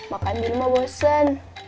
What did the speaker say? makan diri mau bosen